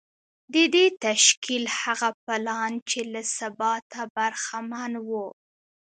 د دې تشکیل هغه پلان چې له ثباته برخمن و